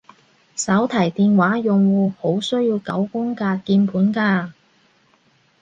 手提電話用戶好需要九宮格鍵盤㗎